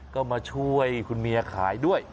ก็มาช่วยคุณเมียขายด้วย